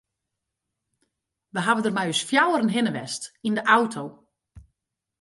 We hawwe dêr mei ús fjouweren hinne west yn de auto.